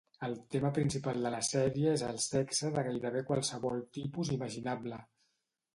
El tema principal de la sèrie és el sexe de gairebé qualsevol tipus imaginable.